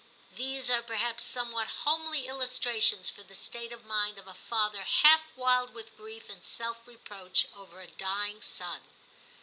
These are perhaps somewhat homely illustrations for the state of mind of a father half wild with grief and self reproach over a dying son.